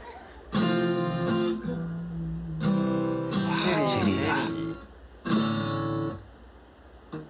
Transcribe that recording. うわ『チェリー』だ。